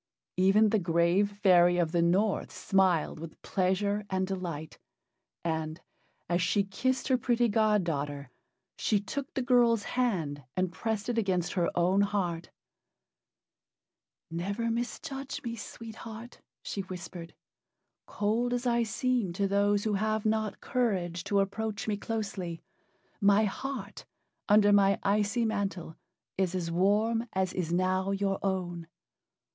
Even the grave fairy of the North smiled with pleasure and delight, and, as she kissed her pretty god daughter, she took the girl's hand and pressed it against her own heart. "Never misjudge me, Sweet Heart," she whispered. "Cold as I seem to those who have not courage to approach me closely, my heart, under my icy mantle, is as warm as is now your own."